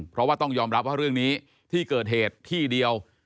เพราะว่าต้องยอมรับว่าเรื่องนี้ที่เกิดเหตุที่เดียว